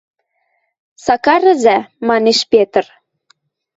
— Сакар ӹзӓ, — манеш Петр.